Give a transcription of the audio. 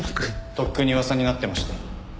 とっくに噂になってましたよ。